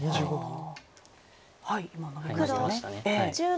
今ノビましたね。